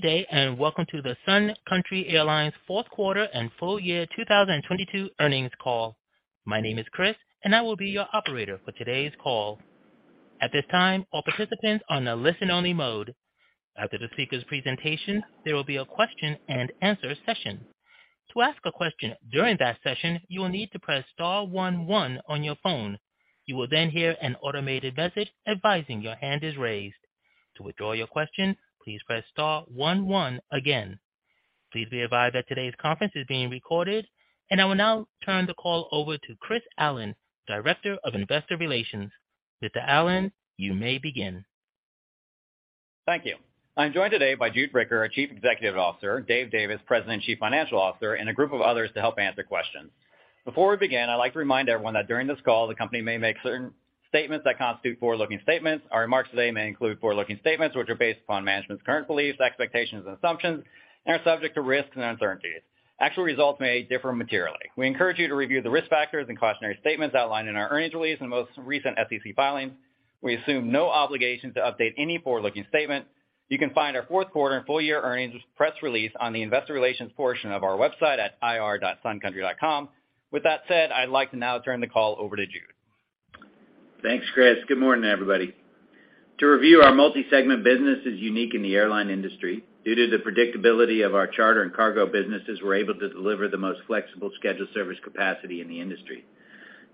Good day, welcome to the Sun Country Airlines fourth quarter and full year 2022 earnings call. My name is Chris and I will be your operator for today's call. At this time, all participants are on a listen-only mode. After the speaker's presentation, there will be a question-and-answer session. To ask a question during that session, you will need to press star one one on your phone. You will then hear an automated message advising your hand is raised. To withdraw your question, please press star one one again. Please be advised that today's conference is being recorded. I will now turn the call over to Chris Allen, Director of Investor Relations. Mr. Allen, you may begin. Thank you. I'm joined today by Jude Bricker, our Chief Executive Officer, Dave Davis, President and Chief Financial Officer, and a group of others to help answer questions. Before we begin, I'd like to remind everyone that during this call, the company may make certain statements that constitute forward-looking statements. Our remarks today may include forward-looking statements which are based upon management's current beliefs, expectations, and assumptions and are subject to risks and uncertainties. Actual results may differ materially. We encourage you to review the risk factors and cautionary statements outlined in our earnings release and most recent SEC filings. We assume no obligation to update any forward-looking statement. You can find our fourth quarter and full year earnings press release on the investor relations portion of our website at ir.suncountry.com. With that said, I'd like to now turn the call over to Jude. Thanks, Chris. Good morning, everybody. To review, our multi-segment business is unique in the airline industry. Due to the predictability of our charter and cargo businesses, we're able to deliver the most flexible scheduled service capacity in the industry.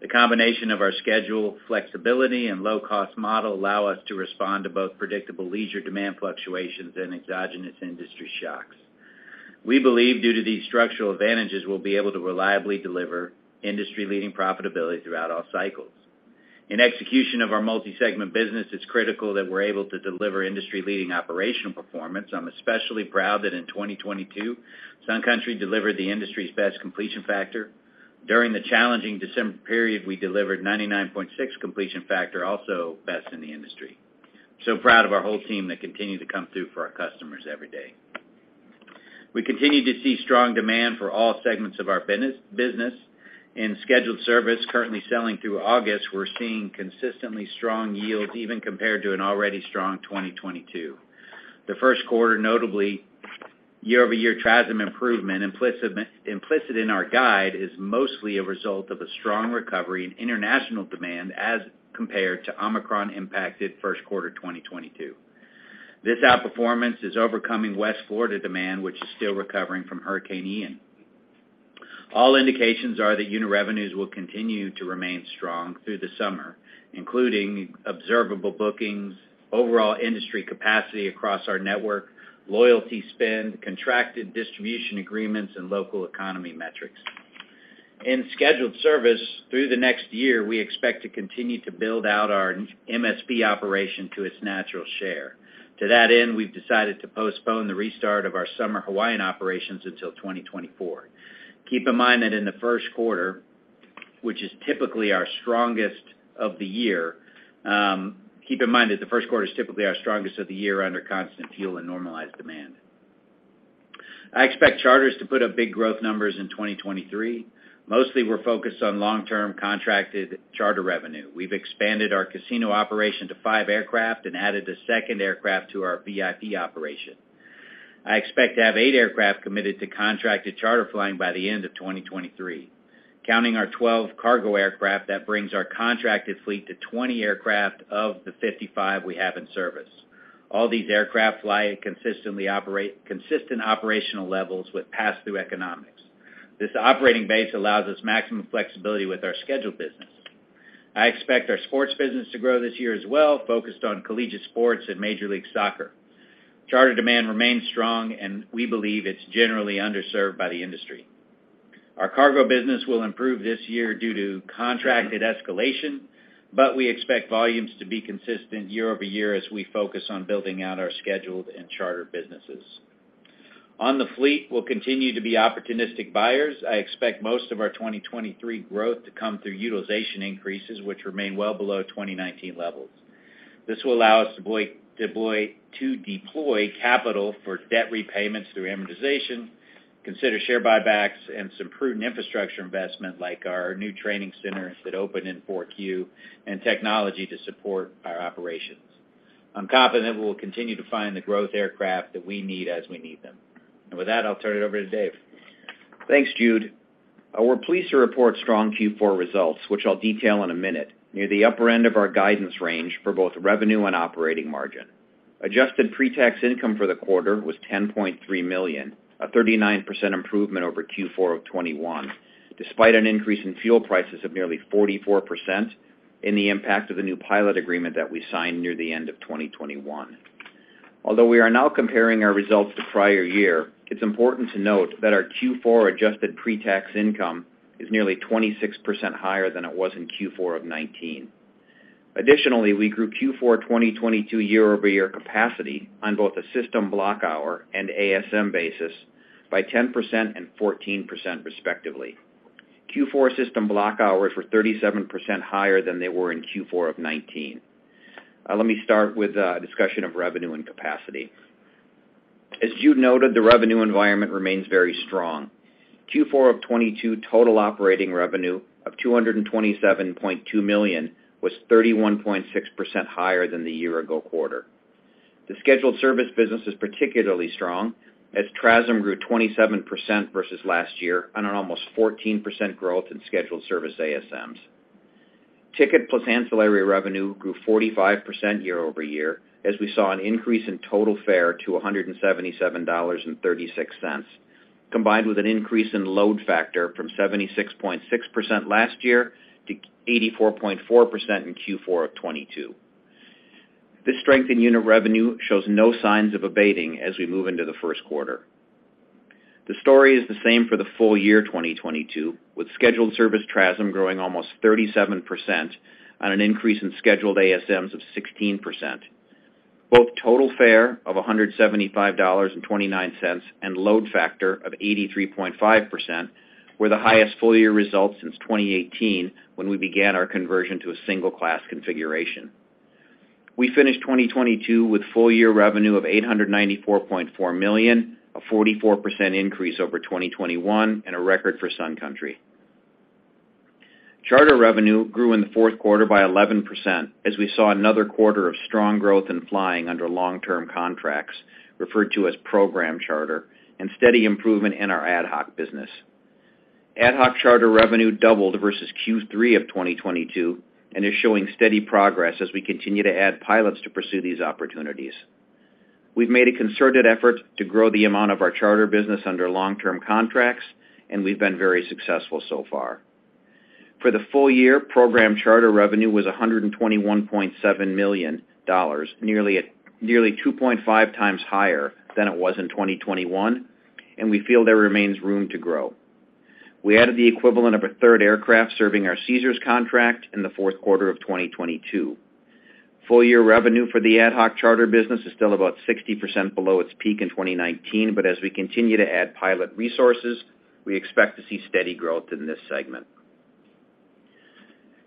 The combination of our schedule flexibility and low-cost model allow us to respond to both predictable leisure demand fluctuations and exogenous industry shocks. We believe due to these structural advantages, we'll be able to reliably deliver industry-leading profitability throughout all cycles. In execution of our multi-segment business, it's critical that we're able to deliver industry-leading operational performance. I'm especially proud that in 2022, Sun Country delivered the industry's best completion factor. During the challenging December period, we delivered 99.6 completion factor, also best in the industry. Proud of our whole team that continued to come through for our customers every day. We continue to see strong demand for all segments of our business. In scheduled service currently selling through August, we're seeing consistently strong yields even compared to an already strong 2022. The first quarter, notably year-over-year TRASM improvement implicit in our guide is mostly a result of a strong recovery in international demand as compared to Omicron-impacted first quarter 2022. This outperformance is overcoming West Florida demand, which is still recovering from Hurricane Ian. All indications are that unit revenues will continue to remain strong through the summer, including observable bookings, overall industry capacity across our network, loyalty spend, contracted distribution agreements, and local economy metrics. In scheduled service through the next year, we expect to continue to build out our MSP operation to its natural share. To that end, we've decided to postpone the restart of our summer Hawaiian operations until 2024. Keep in mind that the first quarter is typically our strongest of the year under constant fuel and normalized demand. I expect charters to put up big growth numbers in 2023. Mostly, we're focused on long-term contracted charter revenue. We've expanded our casino operation to five aircraft and added a second aircraft to our VIP operation. I expect to have eight aircraft committed to contracted charter flying by the end of 2023. Counting our 12 cargo aircraft, that brings our contracted fleet to 20 aircraft of the 55 we have in service. All these aircraft fly at consistently consistent operational levels with pass-through economics. This operating base allows us maximum flexibility with our scheduled business. I expect our sports business to grow this year as well, focused on collegiate sports and Major League Soccer. Charter demand remains strong, and we believe it's generally underserved by the industry. Our cargo business will improve this year due to contracted escalation, but we expect volumes to be consistent year over year as we focus on building out our scheduled and charter businesses. On the fleet, we'll continue to be opportunistic buyers. I expect most of our 2023 growth to come through utilization increases, which remain well below 2019 levels. This will allow us to deploy capital for debt repayments through amortization, consider share buybacks and some prudent infrastructure investment, like our new training center that opened in 4Q, and technology to support our operations. I'm confident we will continue to find the growth aircraft that we need as we need them. With that, I'll turn it over to Dave. Thanks, Jude. We're pleased to report strong Q4 results, which I'll detail in a minute, near the upper end of our guidance range for both revenue and operating margin. Adjusted pre-tax income for the quarter was $10.3 million, a 39% improvement over Q4 of 2021, despite an increase in fuel prices of nearly 44% and the impact of the new pilot agreement that we signed near the end of 2021. We are now comparing our results to prior year, it's important to note that our Q4 adjusted pre-tax income is nearly 26% higher than it was in Q4 of 2019. We grew Q4 2022 year-over-year capacity on both a system block hour and ASM basis by 10% and 14% respectively. Q4 system block hours were 37% higher than they were in Q4 of 2019. Let me start with a discussion of revenue and capacity. As Jude noted, the revenue environment remains very strong. Q4 of 2022 total operating revenue of $227.2 million was 31.6% higher than the year ago quarter. The scheduled service business is particularly strong as TRASM grew 27% versus last year on an almost 14% growth in scheduled service ASMs. Ticket plus ancillary revenue grew 45% year-over-year as we saw an increase in total fare to $177.36, combined with an increase in load factor from 76.6% last year to 84.4% in Q4 of 2022. This strength in unit revenue shows no signs of abating as we move into the first quarter. The story is the same for the full year 2022, with scheduled service TRASM growing almost 37% on an increase in scheduled ASMs of 16%. Both total fare of $175.29 and load factor of 83.5% were the highest full year results since 2018 when we began our conversion to a single class configuration. We finished 2022 with full year revenue of $894.4 million, a 44% increase over 2021 and a record for Sun Country. Charter revenue grew in the fourth quarter by 11% as we saw another quarter of strong growth in flying under long-term contracts referred to as program charter and steady improvement in our ad hoc business. Ad hoc charter revenue doubled versus Q3 of 2022 and is showing steady progress as we continue to add pilots to pursue these opportunities. We've made a concerted effort to grow the amount of our charter business under long-term contracts, and we've been very successful so far. For the full year, program charter revenue was $121.7 million, nearly 2.5x higher than it was in 2021, and we feel there remains room to grow. We added the equivalent of a third aircraft serving our Caesars contract in the fourth quarter of 2022. Full year revenue for the ad hoc charter business is still about 60% below its peak in 2019, but as we continue to add pilot resources, we expect to see steady growth in this segment.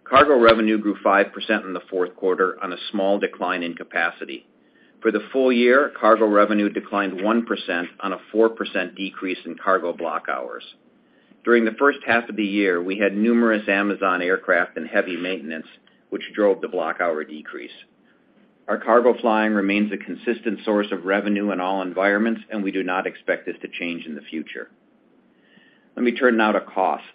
Cargo revenue grew 5% in the fourth quarter on a small decline in capacity. For the full year, cargo revenue declined 1% on a 4% decrease in cargo block hours. During the first half of the year, we had numerous Amazon aircraft and heavy maintenance, which drove the block hour decrease. Our cargo flying remains a consistent source of revenue in all environments. We do not expect this to change in the future. Let me turn now to costs.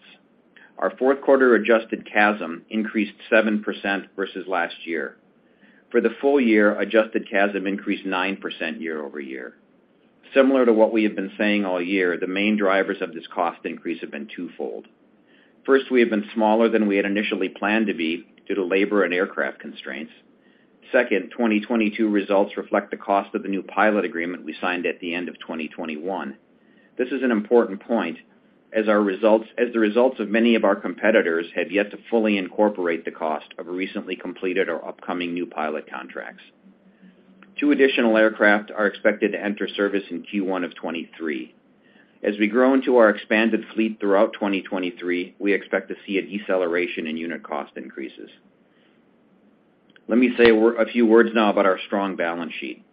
Our fourth quarter adjusted CASM increased 7% versus last year. For the full year, adjusted CASM increased 9% year-over-year. Similar to what we have been saying all year, the main drivers of this cost increase have been twofold. First, we have been smaller than we had initially planned to be due to labor and aircraft constraints. Second, 2022 results reflect the cost of the new pilot agreement we signed at the end of 2021. This is an important point as the results of many of our competitors have yet to fully incorporate the cost of recently completed or upcoming new pilot contracts. Two additional aircraft are expected to enter service in Q1 of 2023. As we grow into our expanded fleet throughout 2023, we expect to see a deceleration in unit cost increases. Let me say a few words now about our strong balance sheet.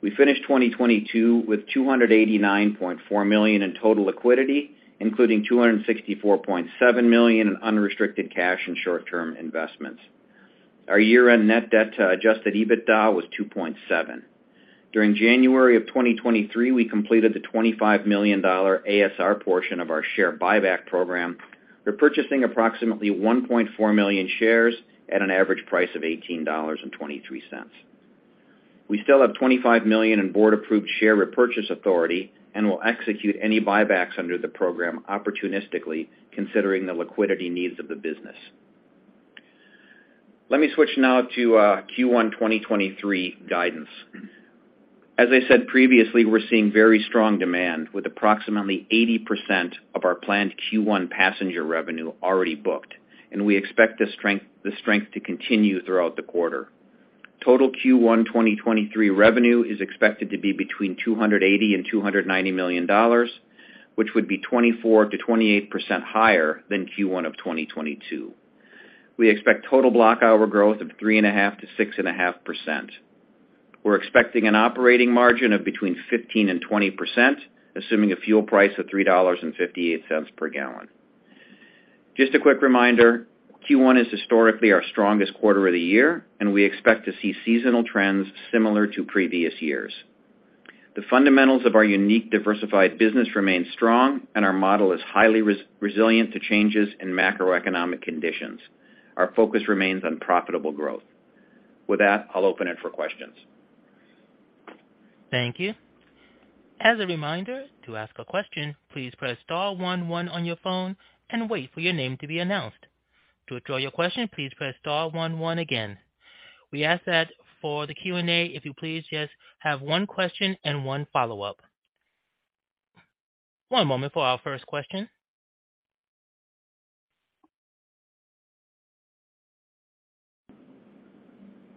We finished 2022 with $289.4 million in total liquidity, including $264.7 million in unrestricted cash and short-term investments. Our year-end net debt to adjusted EBITDA was 2.7. During January of 2023, we completed the $25 million ASR portion of our share buyback program, repurchasing approximately 1.4 million shares at an average price of $18.23. We still have $25 million in board approved share repurchase authority and will execute any buybacks under the program opportunistically considering the liquidity needs of the business. Let me switch now to Q1 2023 guidance. As I said previously, we're seeing very strong demand with approximately 80% of our planned Q1 passenger revenue already booked, and we expect the strength to continue throughout the quarter. Total Q1 2023 revenue is expected to be between $280 million and $290 million, which would be 24%-28% higher than Q1 of 2022. We expect total block hour growth of 3.5%-6.5%. We're expecting an operating margin of between 15%-20%, assuming a fuel price of $3.58 per gallon. Just a quick reminder, Q1 is historically our strongest quarter of the year. We expect to see seasonal trends similar to previous years. The fundamentals of our unique diversified business remain strong, and our model is highly resilient to changes in macroeconomic conditions. Our focus remains on profitable growth. I'll open it for questions. Thank you. As a reminder, to ask a question, please press star one one on your phone and wait for your name to be announced. To withdraw your question, please press star one one again. We ask that for the Q&A, if you please, just have one question and one follow-up. One moment for our first question.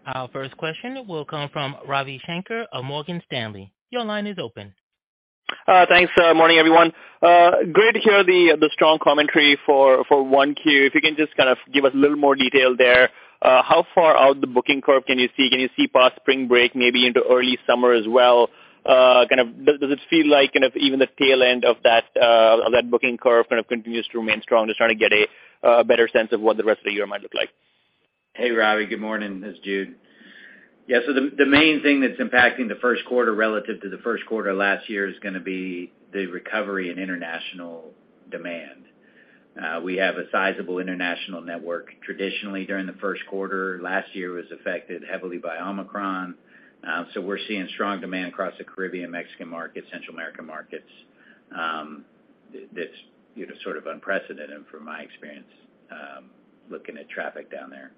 Our first question will come from Ravi Shanker of Morgan Stanley. Your line is open. Thanks. Morning, everyone. Great to hear the strong commentary for 1Q. If you can just kind of give us a little more detail there. How far out the booking curve can you see? Can you see past spring break maybe into early summer as well? Kind of does it feel like kind of even the tail end of that booking curve kind of continues to remain strong? Just trying to get a better sense of what the rest of the year might look like. Hey, Ravi, good morning. This is Jude. The main thing that's impacting the first quarter relative to the first quarter last year is gonna be the recovery in international demand. We have a sizable international network traditionally during the first quarter. Last year was affected heavily by Omicron. We're seeing strong demand across the Caribbean, Mexican market, Central American markets, that's, you know, sort of unprecedented from my experience, looking at traffic down there.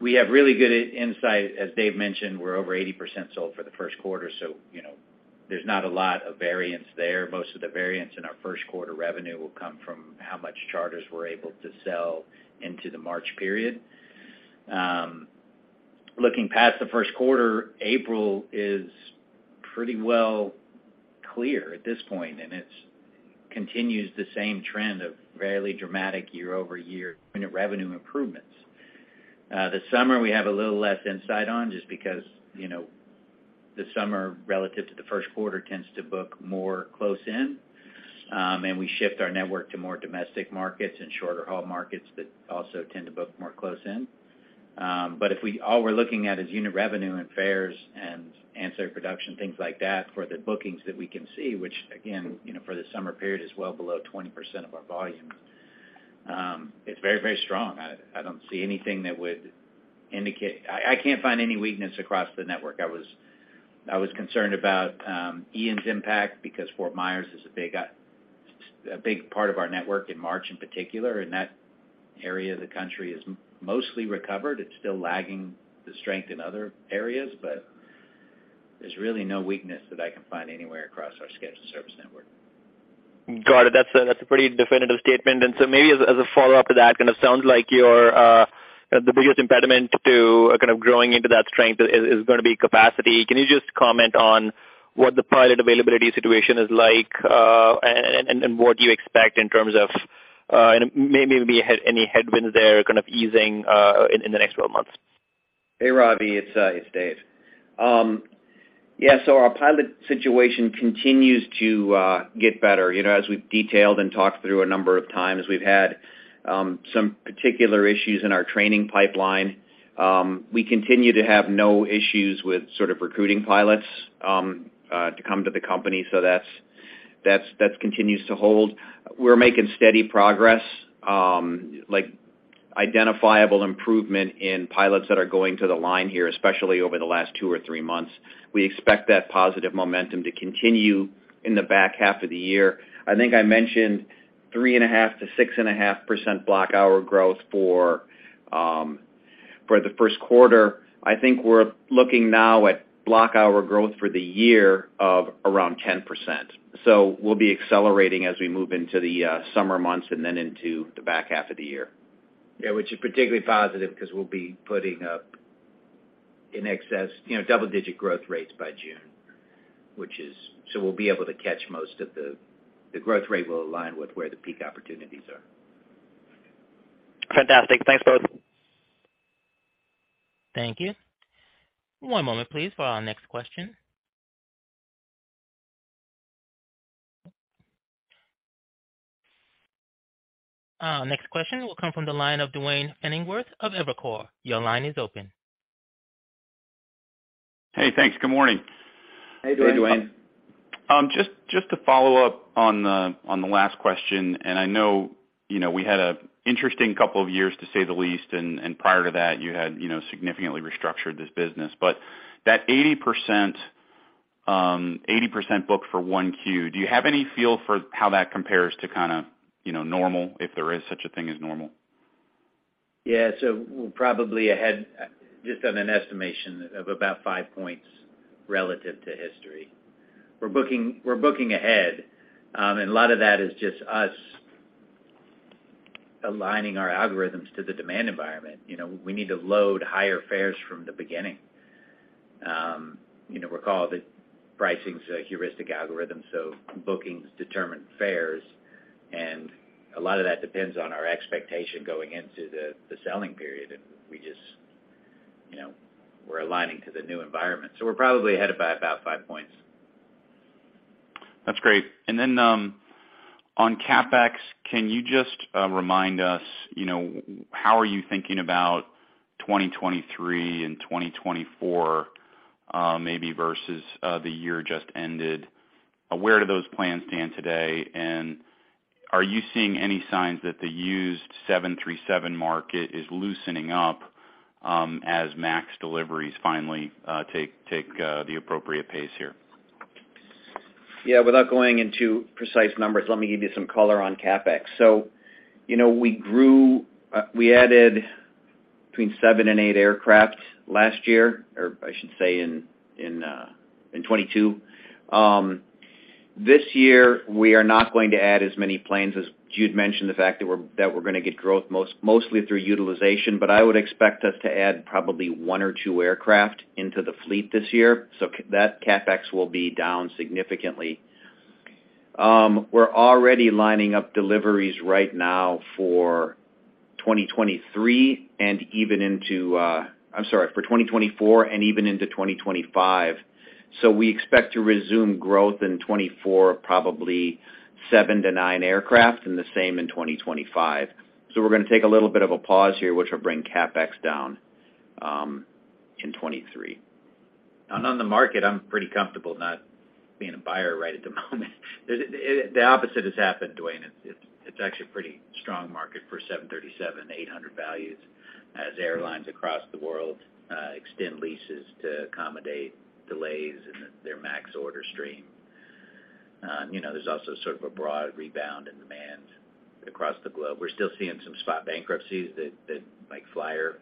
We have really good insight. As Dave mentioned, we're over 80% sold for the first quarter, you know, there's not a lot of variance there. Most of the variance in our first quarter revenue will come from how much charters we're able to sell into the March period. Looking past the first quarter, April is pretty well clear at this point, and it continues the same trend of fairly dramatic year-over-year unit revenue improvements. The summer we have a little less insight on just because, you know, the summer relative to the first quarter tends to book more close in, and we shift our network to more domestic markets and shorter haul markets that also tend to book more close in. If all we're looking at is unit revenue and fares and ancillary production, things like that for the bookings that we can see, which again, you know, for the summer period is well below 20% of our volume, it's very, very strong. I don't see anything that would indicate. I can't find any weakness across the network. I was concerned about Ian's impact because Fort Myers is a big a big part of our network in March, in particular, and that area of the country is mostly recovered. It's still lagging the strength in other areas, but there's really no weakness that I can find anywhere across our scheduled service network. Got it. That's a pretty definitive statement. Maybe as a follow-up to that, kind of sounds like your the biggest impediment to kind of growing into that strength is gonna be capacity. Can you just comment on what the pilot availability situation is like, and what you expect in terms of, and maybe any headwinds there kind of easing in the next 12 months? Hey, Ravi, it's Dave. Yeah, our pilot situation continues to get better. You know, as we've detailed and talked through a number of times, we've had some particular issues in our training pipeline. We continue to have no issues with sort of recruiting pilots to come to the company, so that continues to hold. We're making steady progress, like identifiable improvement in pilots that are going to the line here, especially over the last two or three months. We expect that positive momentum to continue in the back half of the year. I think I mentioned 3.5%-6.5% block hour growth for the first quarter. I think we're looking now at block hour growth for the year of around 10%. We'll be accelerating as we move into the summer months and then into the back half of the year. Yeah, which is particularly positive 'cause we'll be putting up in excess, you know, double-digit growth rates by June. We'll be able to catch most of the growth rate will align with where the peak opportunities are. Fantastic. Thanks both. Thank you. One moment please for our next question. Next question will come from the line of Duane Pfennigwerth of Evercore. Your line is open. Hey, thanks. Good morning. Hey, Duane. Hey, Duane. Just to follow up on the last question. I know, you know, we had an interesting couple of years to say the least, and prior to that you had, you know, significantly restructured this business. That 80% book for 1Q, do you have any feel for how that compares to kind of, you know, normal, if there is such a thing as normal? We're probably ahead just on an estimation of about 5 points relative to history. We're booking, we're booking ahead, and a lot of that is just us aligning our algorithms to the demand environment. You know, we need to load higher fares from the beginning. You know, recall that pricing's a heuristic algorithm, so bookings determine fares, and a lot of that depends on our expectation going into the selling period. We just, you know, we're aligning to the new environment. We're probably ahead by about 5 points. That's great. Then, on CapEx, can you just remind us, you know, how are you thinking about 2023 and 2024, maybe versus the year just ended? Where do those plans stand today? Are you seeing any signs that the used 737 market is loosening up, as MAX deliveries finally take the appropriate pace here? Without going into precise numbers, let me give you some color on CapEx. You know, we added between 7 and 8 aircraft last year, or I should say in 2022. This year we are not going to add as many planes. As Jude mentioned, the fact that we're gonna get growth mostly through utilization. I would expect us to add probably 1 or 2 aircraft into the fleet this year. That CapEx will be down significantly. We're already lining up deliveries right now for 2023 and even into 2024 and even into 2025. We expect to resume growth in 2024, probably 7-9 aircraft, and the same in 2025. We're gonna take a little bit of a pause here, which will bring CapEx down, in 2023. On the market, I'm pretty comfortable not being a buyer right at the moment. The opposite has happened, Duane. It's actually a pretty strong market for 737-800 values as airlines across the world extend leases to accommodate delays in their MAX order stream. You know, there's also sort of a broad rebound in demand across the globe. We're still seeing some spot bankruptcies that, like Flyr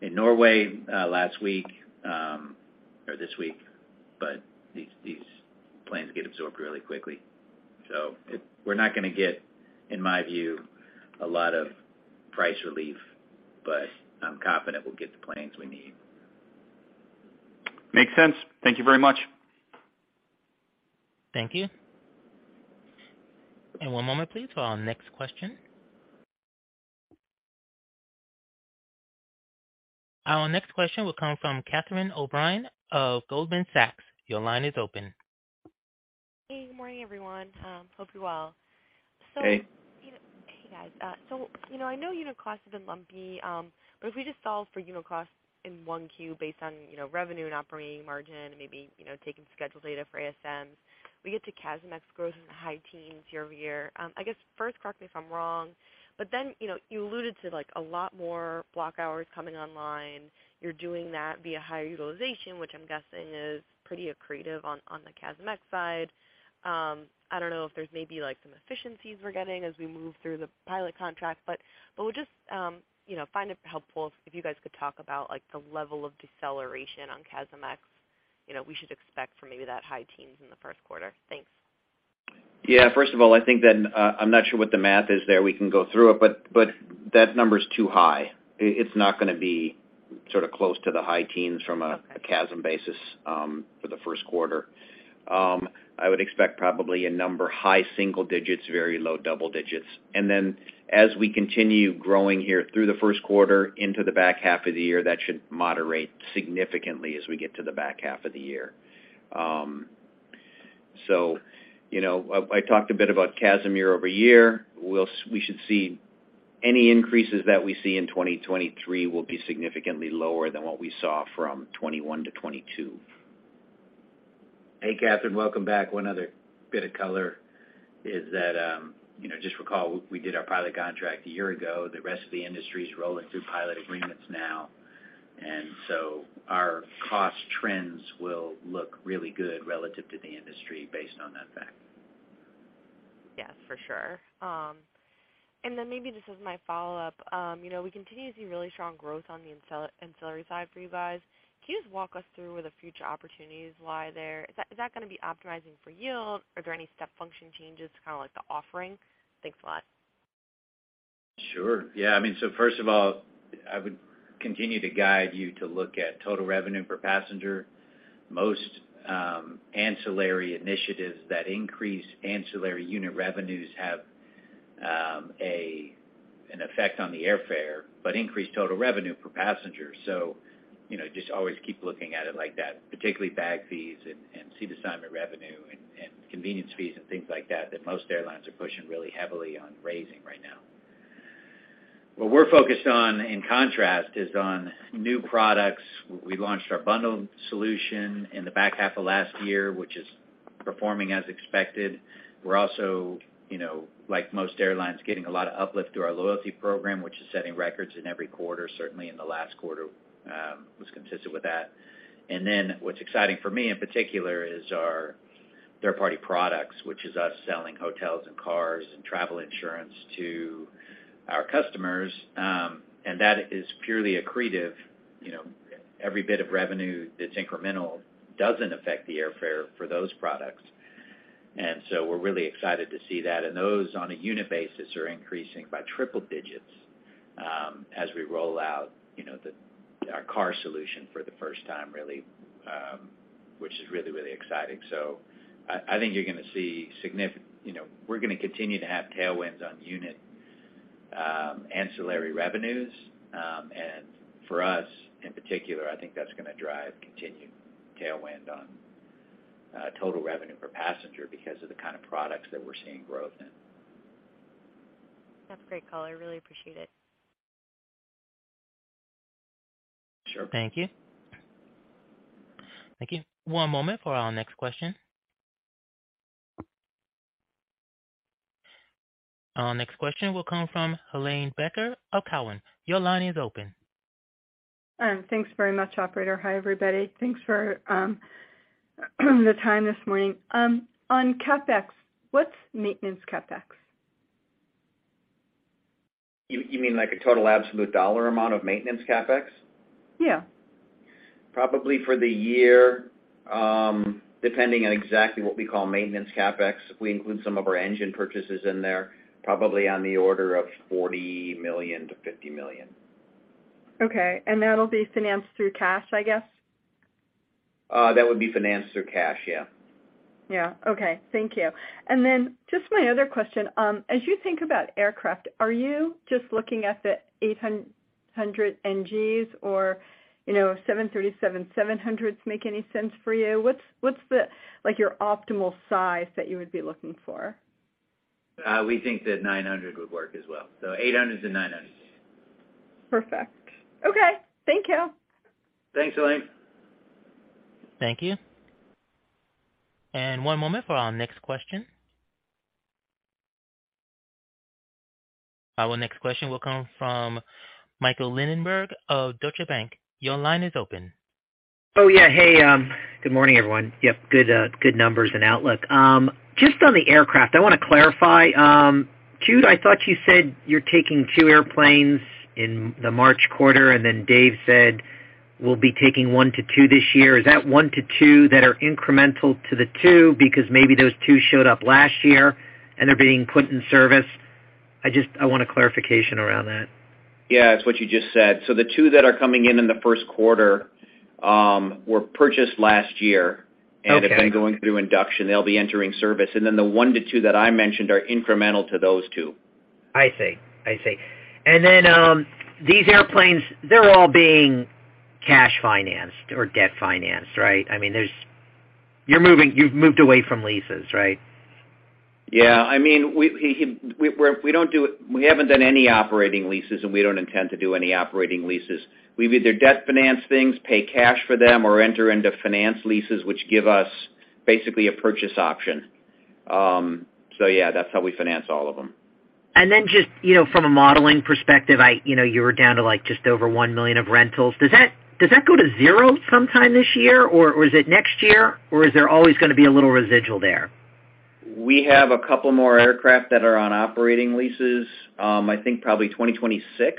in Norway last week or this week, but these planes get absorbed really quickly. We're not gonna get, in my view, a lot of price relief, but I'm confident we'll get the planes we need. Makes sense. Thank you very much. Thank you. One moment please for our next question. Our next question will come from Catherine O'Brien of Goldman Sachs. Your line is open. Hey, good morning, everyone. Hope you're well. Hey. You know, hey, guys. You know, I know unit cost has been lumpy, but if we just solve for unit costs in 1Q based on, you know, revenue and operating margin and maybe, you know, taking schedule data for ASMs, we get to CASM-ex growth in the high teens year-over-year. I guess first, correct me if I'm wrong, you know, you alluded to like a lot more block hours coming online. You're doing that via higher utilization, which I'm guessing is pretty accretive on the CASM-ex side. I don't know if there's maybe like some efficiencies we're getting as we move through the pilot contract, but would just, you know, find it helpful if you guys could talk about like the level of deceleration on CASM-ex, you know, we should expect for maybe that high teens in the first quarter. Thanks. Yeah, first of all, I think that I'm not sure what the math is there. We can go through it, but that number's too high. It's not gonna be sort of close to the high teens from a CASM basis for the first quarter. I would expect probably a number high single digits, very low double digits. Then as we continue growing here through the first quarter into the back half of the year, that should moderate significantly as we get to the back half of the year. you know, I talked a bit about CASM year-over-year. We should see any increases that we see in 2023 will be significantly lower than what we saw from 2021 to 2022. Hey, Catherine, welcome back. One other bit of color is that, you know, just recall we did our pilot contract a year ago. The rest of the industry is rolling through pilot agreements now. Our cost trends will look really good relative to the industry based on that fact. Yes, for sure. Maybe this is my follow-up. You know, we continue to see really strong growth on the ancillary side for you guys. Can you just walk us through where the future opportunities lie there? Is that gonna be optimizing for yield? Are there any step function changes to kind of like the offering? Thanks a lot. Sure. Yeah. I mean, first of all, I would continue to guide you to look at total revenue per passenger. Most ancillary initiatives that increase ancillary unit revenues have an effect on the airfare, but increase total revenue per passenger. You know, just always keep looking at it like that, particularly bag fees and seat assignment revenue and convenience fees and things like that most airlines are pushing really heavily on raising right now. What we're focused on, in contrast, is on new products. We launched our bundle solution in the back half of last year, which is performing as expected. We're also, you know, like most airlines, getting a lot of uplift through our loyalty program, which is setting records in every quarter, certainly in the last quarter, was consistent with that. What's exciting for me in particular is our third-party products, which is us selling hotels and cars and travel insurance to our customers, and that is purely accretive. You know, every bit of revenue that's incremental doesn't affect the airfare for those products. We're really excited to see that. Those on a unit basis are increasing by triple digits, as we roll out, you know, our car solution for the first time really, which is really, really exciting. I think you're gonna see, you know, we're gonna continue to have tailwinds on unit ancillary revenues. For us, in particular, I think that's gonna drive continued tailwind on total revenue per passenger because of the kind of products that we're seeing growth in. That's a great color. I really appreciate it. Sure. Thank you. Thank you. One moment for our next question. Our next question will come from Helane Becker of Cowen. Your line is open. Thanks very much, operator. Hi, everybody. Thanks for the time this morning. On CapEx, what's maintenance CapEx? You mean like a total absolute dollar amount of maintenance CapEx? Yeah. Probably for the year, depending on exactly what we call maintenance CapEx, we include some of our engine purchases in there, probably on the order of $40 million-$50 million. That'll be financed through cash, I guess? That would be financed through cash, yeah. Yeah. Okay. Thank you. Just my other question, as you think about aircraft, are you just looking at the 800 NGs or, you know, 737-700s make any sense for you? What's the like your optimal size that you would be looking for? We think that 900 would work as well. So 800s and 900s. Perfect. Okay. Thank you. Thanks, Helane. Thank you. One moment for our next question. Our next question will come from Michael Linenberg of Deutsche Bank. Your line is open. Oh, yeah. Hey, good morning, everyone. Yep. Good, good numbers and outlook. Just on the aircraft, I want to clarify. Jude, I thought you said you're taking two airplanes in the March quarter, and then Dave said, "We'll be taking one-two this year." Is that one-two that are incremental to the two because maybe those two showed up last year and they're being put in service? I just want a clarification around that. Yeah, it's what you just said. The two that are coming in in the first quarter, were purchased last year. Okay. Have been going through induction. They'll be entering service. The one-two that I mentioned are incremental to those two. I see. I see. Then, these airplanes, they're all being cash financed or debt financed, right? I mean, you've moved away from leases, right? Yeah. I mean, we haven't done any operating leases. We don't intend to do any operating leases. We've either debt finance things, pay cash for them, or enter into finance leases, which give us basically a purchase option. Yeah, that's how we finance all of them. Just, you know, from a modeling perspective, you know, you were down to, like, just over $1 million of rentals. Does that go to zero sometime this year, or is it next year? Or is there always gonna be a little residual there? We have a couple more aircraft that are on operating leases. I think probably 2026.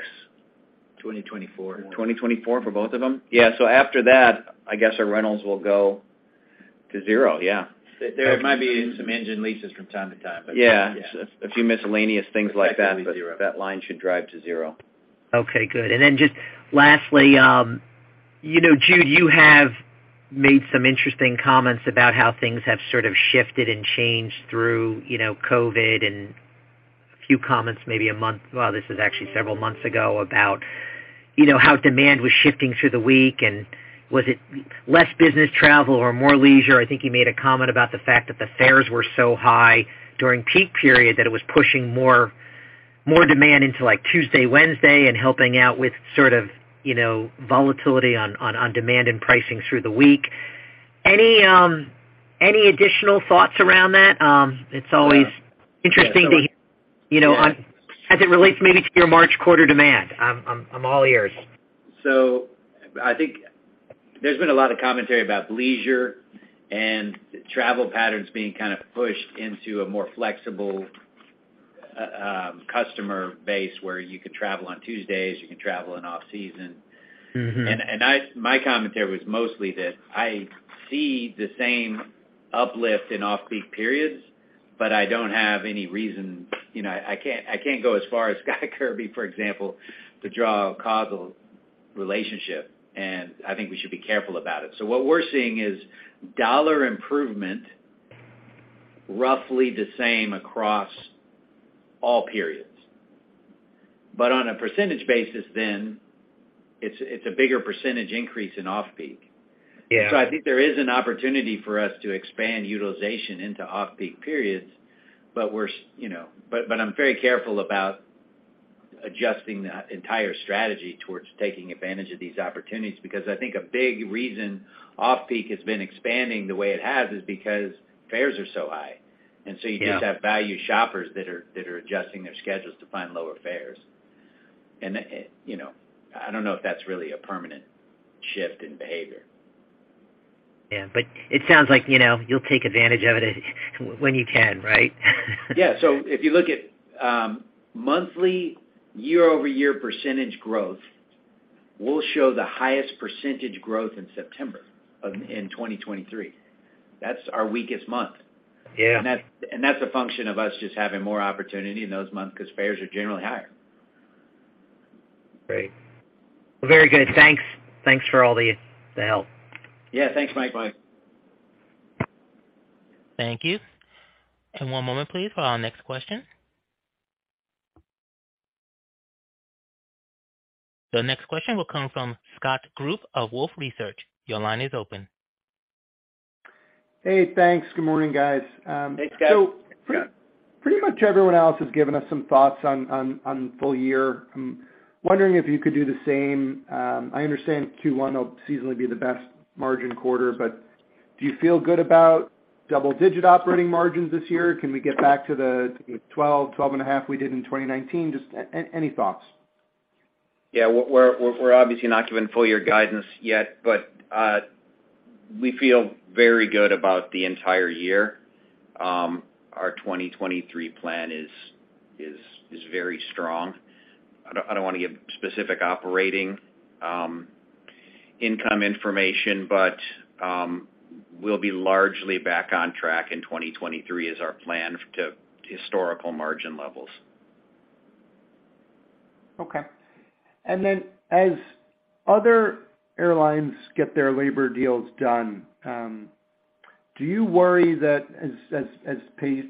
2024. 2024 for both of them? Yeah. After that, I guess our rentals will go to zero, yeah. There might be some engine leases from time to time. Yeah. Yeah. A few miscellaneous things like that. Exactly zero. That line should drive to zero. Okay, good. Just lastly, you know, Jude, you have made some interesting comments about how things have sort of shifted and changed through, you know, COVID, and a few comments actually several months ago, about, you know, how demand was shifting through the week. Was it less business travel or more leisure? I think you made a comment about the fact that the fares were so high during peak period that it was pushing more demand into, like, Tuesday, Wednesday, and helping out with sort of, you know, volatility on demand and pricing through the week. Any additional thoughts around that? It's always interesting to hear. Yeah. You know, on as it relates maybe to your March quarter demand. I'm all ears. I think there's been a lot of commentary about leisure and travel patterns being kind of pushed into a more flexible, customer base where you can travel on Tuesdays, you can travel in off-season. Mm-hmm. My commentary was mostly that I see the same uplift in off-peak periods, but I don't have any reason. You know, I can't go as far as Scott Kirby, for example, to draw a causal relationship, and I think we should be careful about it. What we're seeing is dollar improvement roughly the same across all periods. On a percentage basis then, it's a bigger percentage increase in off-peak. Yeah. I think there is an opportunity for us to expand utilization into off-peak periods, but we're, you know, I'm very careful about adjusting the entire strategy towards taking advantage of these opportunities because I think a big reason off-peak has been expanding the way it has is because fares are so high. Yeah. You just have value shoppers that are adjusting their schedules to find lower fares. You know, I don't know if that's really a permanent shift in behavior. Yeah. It sounds like, you know, you'll take advantage of it when you can, right? Yeah. If you look at monthly year-over-year percentage growth, we'll show the highest percentage growth in September in 2023. That's our weakest month. Yeah. That's a function of us just having more opportunity in those months 'cause fares are generally higher. Great. Well, very good. Thanks. Thanks for all the help. Thanks, Mike. Bye. Thank you. One moment please for our next question. The next question will come from Scott Group of Wolfe Research. Your line is open. Hey, thanks. Good morning, guys. Thanks, Scott. Pretty much everyone else has given us some thoughts on full year. I'm wondering if you could do the same. I understand Q1 will seasonally be the best margin quarter. Do you feel good about double-digit operating margins this year? Can we get back to the 12 and a half we did in 2019? Just any thoughts. Yeah. We're obviously not giving full year guidance yet, but we feel very good about the entire year. Our 2023 plan is very strong. I don't wanna give specific operating income information, but we'll be largely back on track in 2023 as our plan to historical margin levels. Okay. Then as other airlines get their labor deals done, do you worry that as pay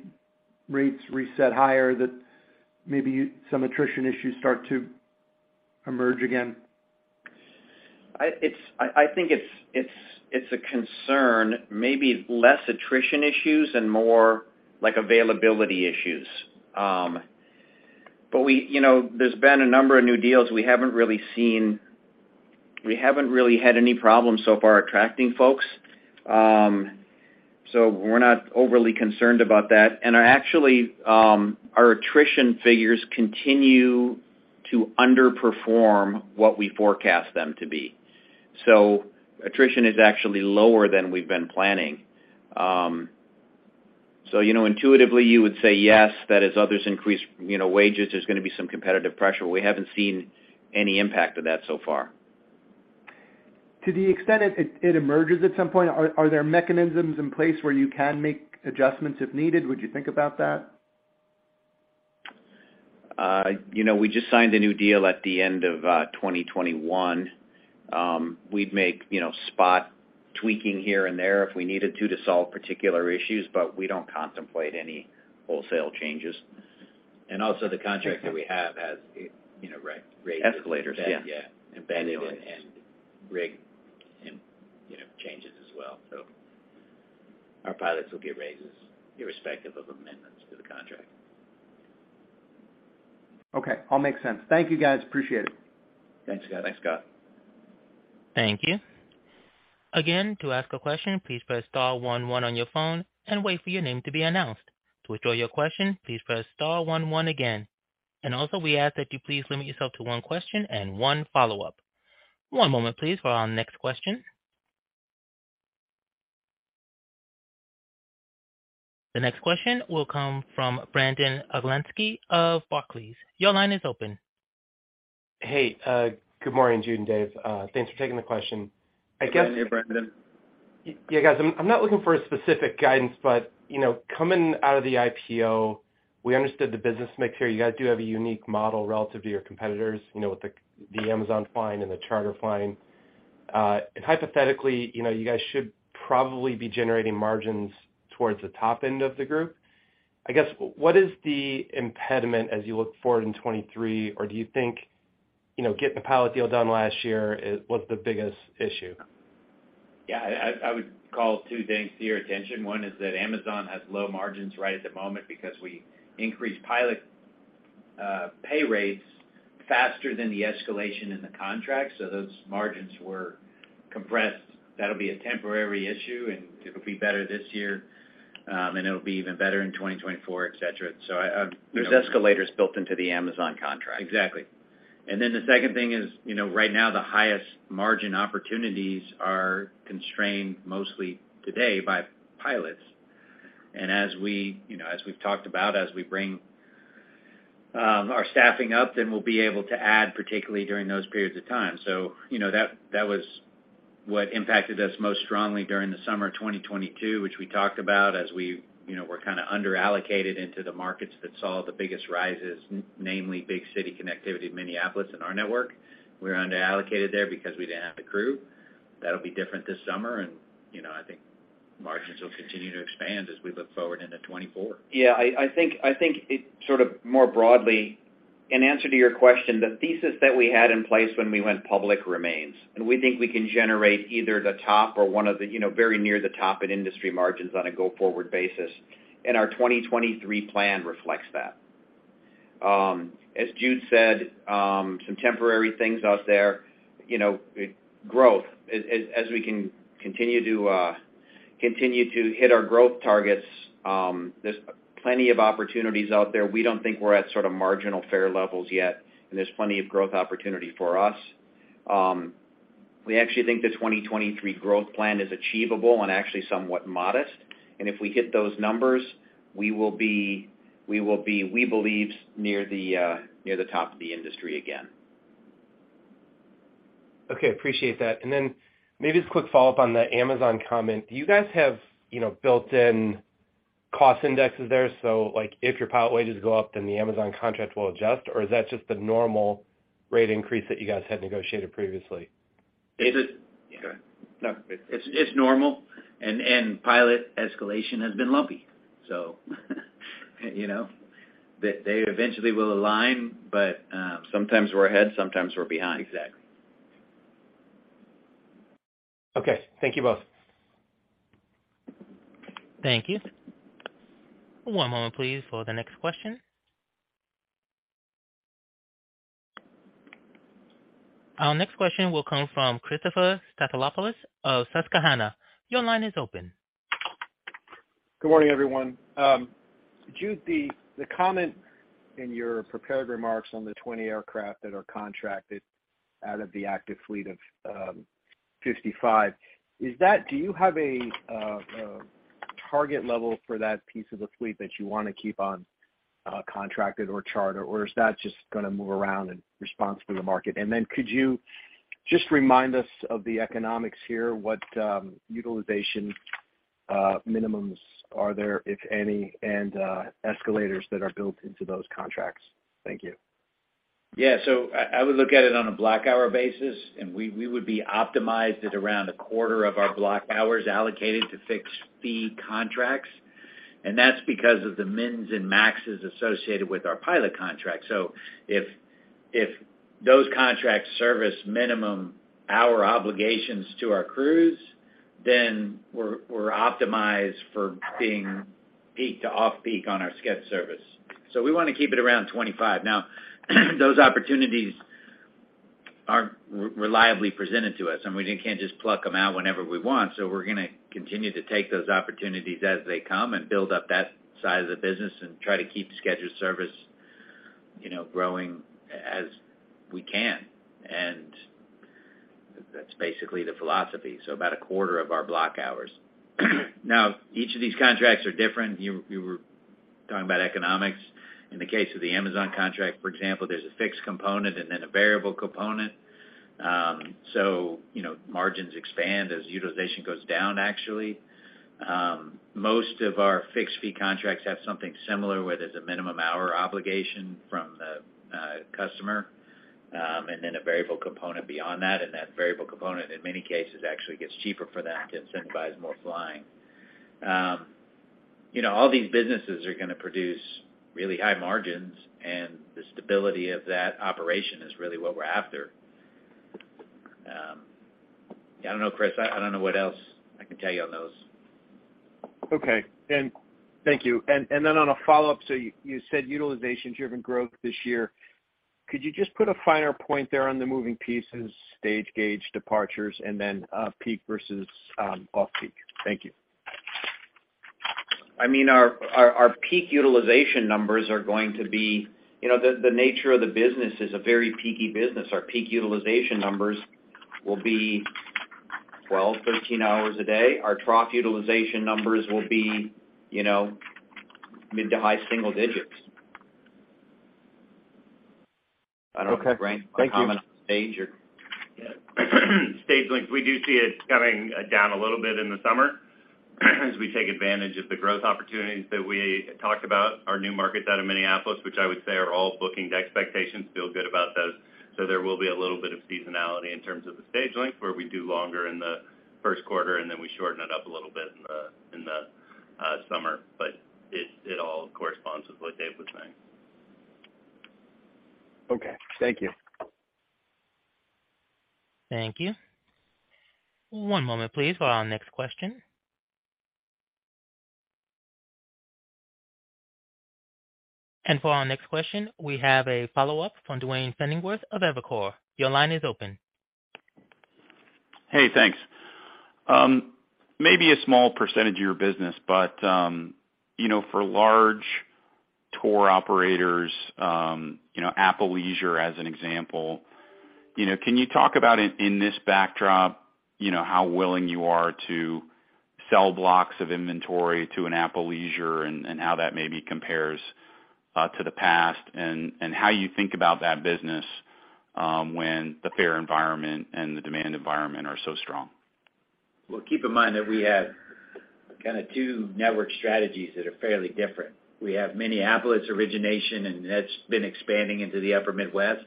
rates reset higher, that maybe some attrition issues start to emerge again? I think it's a concern, maybe less attrition issues and more like availability issues. You know, there's been a number of new deals. We haven't really had any problems so far attracting folks. So we're not overly concerned about that. Actually, our attrition figures continue to underperform what we forecast them to be. Attrition is actually lower than we've been planning. You know, intuitively, you would say yes, that as others increase, wages, there's gonna be some competitive pressure. We haven't seen any impact of that so far. To the extent it emerges at some point, are there mechanisms in place where you can make adjustments if needed? Would you think about that? You know, we just signed a new deal at the end of 2021. We'd make, you know, spot tweaking here and there if we needed to solve particular issues, but we don't contemplate any wholesale changes. Also the contract that we have has, you know, rates. Escalators, yeah. Yeah. You know, changes as well. Our pilots will get raises irrespective of amendments to the contract. Okay. All makes sense. Thank you, guys. Appreciate it. Thanks, Scott. Thanks, Scott. Thank you. Again, to ask a question, please press star one one on your phone and wait for your name to be announced. To withdraw your question, please press star one one again. Also, we ask that you please limit yourself to one question and one follow-up. One moment please for our next question. The next question will come from Brandon Oglenski of Barclays. Your line is open. Hey, good morning, Jude and Dave. Thanks for taking the question. Good morning, Brandon. Yeah, guys, I'm not looking for a specific guidance. You know, coming out of the IPO, we understood the business mix here. You guys do have a unique model relative to your competitors, you know, with the Amazon flying and the charter flying. Hypothetically, you know, you guys should probably be generating margins towards the top end of the group. I guess, what is the impediment as you look forward in 2023? Do you think, you know, getting the pilot deal done last year was the biggest issue? Yeah. I would call two things to your attention. One is that Amazon has low margins right at the moment because we increased pilot pay rates faster than the escalation in the contract, so those margins were compressed. That'll be a temporary issue, and it'll be better this year, and it'll be even better in 2024, et cetera. There's escalators built into the Amazon contract. Exactly. The second thing is, you know, right now the highest margin opportunities are constrained mostly today by pilots. As we, you know, as we've talked about, as we bring our staffing up, then we'll be able to add particularly during those periods of time. You know, that was what impacted us most strongly during the summer of 2022, which we talked about as we, you know, were kinda under-allocated into the markets that saw the biggest rises, namely big city connectivity in Minneapolis in our network. We're under-allocated there because we didn't have the crew. That'll be different this summer and, you know, I think margins will continue to expand as we look forward into 2024. Yeah. I think it sort of more broadly, in answer to your question, the thesis that we had in place when we went public remains, and we think we can generate either the top or one of the, you know, very near the top in industry margins on a go-forward basis, and our 2023 plan reflects that. As Jude said, some temporary things out there. You know, growth. As we can continue to continue to hit our growth targets, there's plenty of opportunities out there. We don't think we're at sort of marginal fare levels yet, and there's plenty of growth opportunity for us. We actually think the 2023 growth plan is achievable and actually somewhat modest. If we hit those numbers, we will be, we believe, near the near the top of the industry again. Okay. Appreciate that. Maybe just a quick follow-up on the Amazon comment. Do you guys have, you know, built-in cost indexes there, so, like, if your pilot wages go up, then the Amazon contract will adjust, or is that just the normal rate increase that you guys had negotiated previously? Is it? Go ahead. No. It's normal, and pilot escalation has been lumpy. You know, they eventually will align, but. Sometimes we're ahead, sometimes we're behind. Exactly. Okay. Thank you both. Thank you. One moment, please, for the next question. Our next question will come from Christopher Stathoulopoulos of Susquehanna. Your line is open. Good morning, everyone. Jude, the comment in your prepared remarks on the 20 aircraft that are contracted out of the active fleet of 55, is that... Do you have a target level for that piece of the fleet that you wanna keep on contracted or charter, or is that just gonna move around in response to the market? Could you just remind us of the economics here, what utilization minimums are there, if any, and escalators that are built into those contracts? Thank you. Yeah. I would look at it on a block hour basis, we would be optimized at around a quarter of our block hours allocated to fixed fee contracts. That's because of the mins and maxes associated with our pilot contract. If those contracts service minimum hour obligations to our crews, then we're optimized for being peak to off-peak on our sched service. We wanna keep it around 25. Now, those opportunities aren't reliably presented to us, and we can't just pluck them out whenever we want. We're gonna continue to take those opportunities as they come and build up that side of the business and try to keep scheduled service, you know, growing as we can. That's basically the philosophy. About a quarter of our block hours. Now, each of these contracts are different. You were talking about economics. In the case of the Amazon contract, for example, there's a fixed component and then a variable component. you know, margins expand as utilization goes down, actually. Most of our fixed fee contracts have something similar where there's a minimum hour obligation from the customer, and then a variable component beyond that. That variable component, in many cases, actually gets cheaper for them to incentivize more flying. you know, all these businesses are gonna produce really high margins, and the stability of that operation is really what we're after. I don't know, Chris, I don't know what else I can tell you on those. Okay. Thank you. On a follow-up, you said utilization-driven growth this year. Could you just put a finer point there on the moving pieces, stage gauge departures, and then peak versus off-peak? Thank you. I mean, our peak utilization numbers are going to be. You know, the nature of the business is a very peaky business. Our peak utilization numbers will be 12, 13 hours a day. Our trough utilization numbers will be, you know, mid to high single digits. [inaudible] Okay. Thank you. Stage length, we do see it coming down a little bit in the summer as we take advantage of the growth opportunities that we talked about, our new markets out of Minneapolis, which I would say are all booking to expectations, feel good about those. There will be a little bit of seasonality in terms of the stage length, where we do longer in the first quarter, and then we shorten it up a little bit in the summer. It all corresponds with what Dave was saying. Okay, thank you. Thank you. One moment, please, for our next question. For our next question, we have a follow-up from Duane Pfennigwerth of Evercore. Your line is open. Hey, thanks. maybe a small percent of your business, but, you know, for large tour operators, you know, Apple Leisure as an example, you know, can you talk about in this backdrop, you know, how willing you are to sell blocks of inventory to an Apple Leisure and how that maybe compares, to the past and how you think about that business, when the fare environment and the demand environment are so strong? Well, keep in mind that we have kinda two network strategies that are fairly different. We have Minneapolis origination, and that's been expanding into the upper Midwest.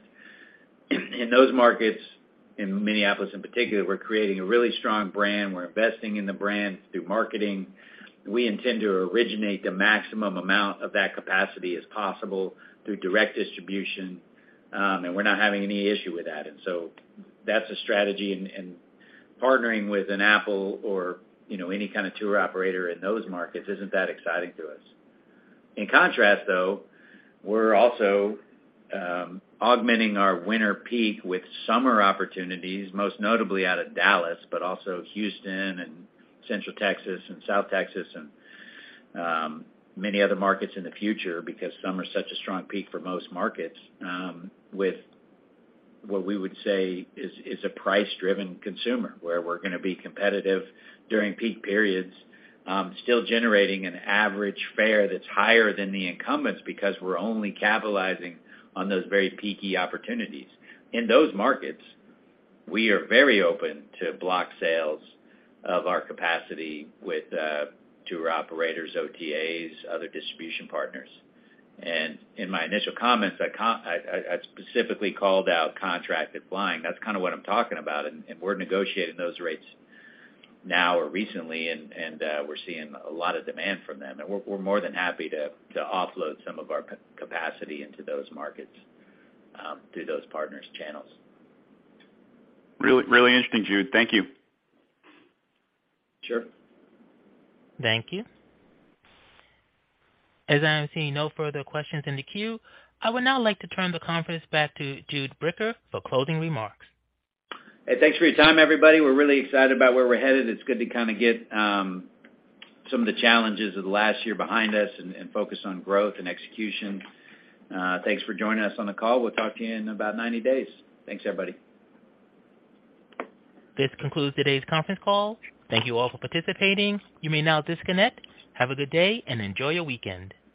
In those markets, in Minneapolis in particular, we're creating a really strong brand. We're investing in the brand through marketing. We intend to originate the maximum amount of that capacity as possible through direct distribution, and we're not having any issue with that. That's a strategy and partnering with an Apple or, you know, any kind of tour operator in those markets isn't that exciting to us. In contrast, though, we're also augmenting our winter peak with summer opportunities, most notably out of Dallas, but also Houston and Central Texas and South Texas and many other markets in the future because some are such a strong peak for most markets with what we would say is a price-driven consumer, where we're gonna be competitive during peak periods, still generating an average fare that's higher than the incumbents because we're only capitalizing on those very peaky opportunities. In those markets, we are very open to block sales of our capacity with tour operators, OTAs, other distribution partners. In my initial comments, I specifically called out contracted flying. That's kind of what I'm talking about, and we're negotiating those rates now or recently, and we're seeing a lot of demand from them. We're more than happy to offload some of our capacity into those markets, through those partners' channels. Really, really interesting, Jude. Thank you. Sure. Thank you. As I am seeing no further questions in the queue, I would now like to turn the conference back to Jude Bricker for closing remarks. Hey, thanks for your time, everybody. We're really excited about where we're headed. It's good to kinda get some of the challenges of the last year behind us and focus on growth and execution. Thanks for joining us on the call. We'll talk to you in about 90 days. Thanks, everybody. This concludes today's conference call. Thank you all for participating. You may now disconnect. Have a good day and enjoy your weekend.